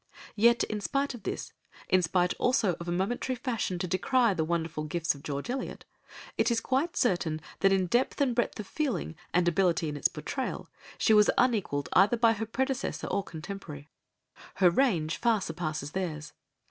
Yet in spite of this, in spite also of a momentary fashion to decry the wonderful gifts of George Eliot, it is quite certain that in depth and breadth of feeling, and ability in its portrayal, she was unequalled by either her predecessor or contemporary. Her range far surpasses theirs.